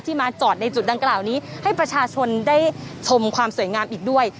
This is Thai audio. มาจอดในจุดดังกล่าวนี้ให้ประชาชนได้ชมความสวยงามอีกด้วย